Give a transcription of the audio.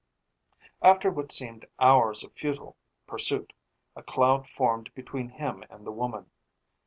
After what seemed hours of futile pursuit, a cloud formed between him and the woman.